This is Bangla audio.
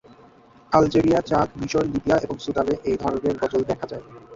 আলজেরিয়া, চাদ, মিশর, লিবিয়া এবং সুদানে এই ধরনের গজল দেখা যায়।